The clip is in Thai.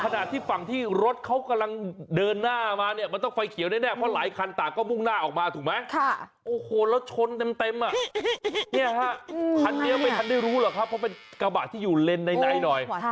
นี่ค่ะทันเดียวไม่ทันได้รู้หรอกครับเพราะเป็นกระบาดที่อยู่เลนไหนหน่อย